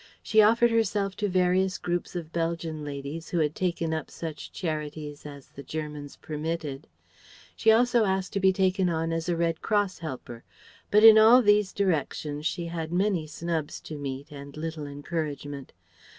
She offered herself to various groups of Belgian ladies who had taken up such charities as the Germans permitted. She also asked to be taken on as a Red Cross helper. But in all these directions she had many snubs to meet and little encouragement.